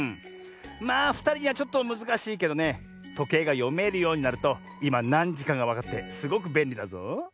まあふたりにはちょっとむずかしいけどねとけいがよめるようになるといまなんじかがわかってすごくべんりだぞ。